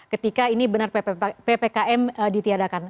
ketika ini benar ppkm ditiadakan